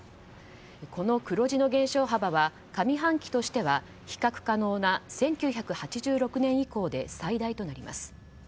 この黒字の減少幅は上半期としては比較可能な１９８６年以降で最大となります。